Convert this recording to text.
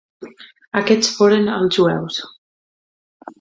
Aquest foren els jueus.